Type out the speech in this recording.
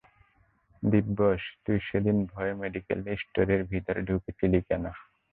দিব্যা, তুই সেদিন ভয়ে মেডিক্যাল স্টোরের ভেতরে ঢুকেছিলি কেন?